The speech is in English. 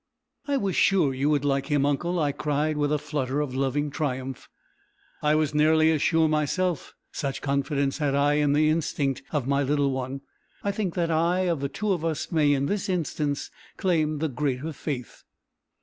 "I was sure you would like him, uncle!" I cried, with a flutter of loving triumph. "I was nearly as sure myself such confidence had I in the instinct of my little one. I think that I, of the two of us, may, in this instance, claim the greater faith!"